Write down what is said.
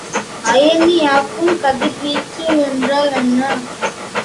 அயனியாக்கும் கதிர்வீச்சு என்றால் என்ன?